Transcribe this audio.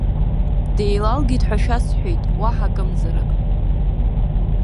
Деилагеит ҳәа шәасҳәеит, уаҳа акымзарак.